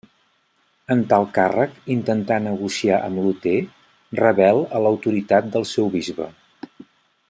En tal càrrec intentà negociar amb Luter, rebel a l'autoritat del seu bisbe.